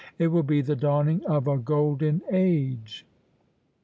It will be the dawning of a golden age."